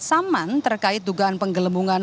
saman terkait dugaan penggelembungan